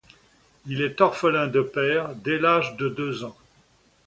Il est orphelin de père dès l'âge de deux ans.